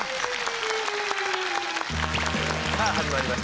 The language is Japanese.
さあ始まりました